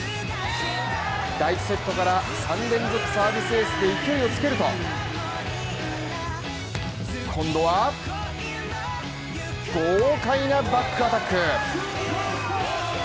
第１セットから、３連続サービスエースで勢いをつけると今度は豪快なバックアタック。